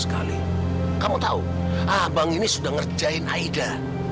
sekali kamu tahu abang ini sudah ngerjain aida